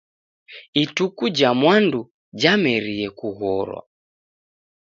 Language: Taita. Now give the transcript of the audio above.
Ituku ja mwandu jamerie kughorwa.